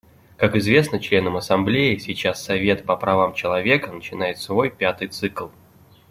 Как известно членам Ассамблеи, сейчас Совет по правам человека начинает свой пятый цикл.